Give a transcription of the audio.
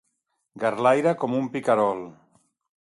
Garlaire com un picarol.